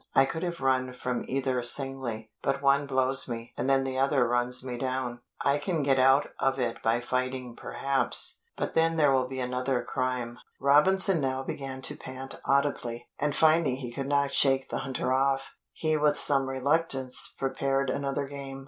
"I could have run from either singly, but one blows me, and then the other runs me down. I can get out of it by fighting perhaps, but then there will be another crime." Robinson now began to pant audibly, and finding he could not shake the hunter off, he with some reluctance prepared another game.